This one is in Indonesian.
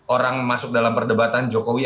orang masuk dalam perdebatan jokowi